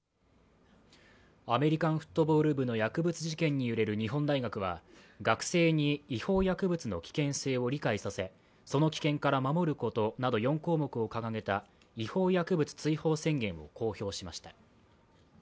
アメリカンフットボール部の薬物事件に揺れる日本大学は学生に違法薬物の危険性を理解させその危険から守ることなど４項目を掲げた違法薬物追放宣言を公表しました。